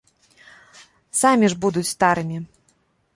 Самі ж будуць старымі.